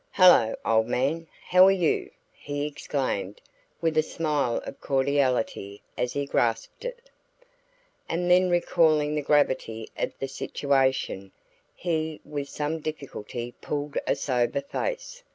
"Hello, old man! How are you?" he exclaimed with a smile of cordiality as he grasped it. And then recalling the gravity of the situation, he with some difficulty pulled a sober face.